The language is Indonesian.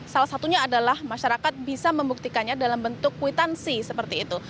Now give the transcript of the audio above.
salah satunya adalah masyarakat bisa membuktikannya dalam bentuk kwitansi seperti itu